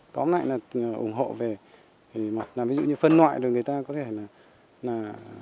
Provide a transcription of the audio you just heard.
tóm lại là ủng hộ về ví dụ như phân loại rồi người ta có thể là